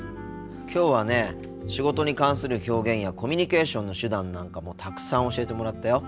きょうはね仕事に関する表現やコミュニケーションの手段なんかもたくさん教えてもらったよ。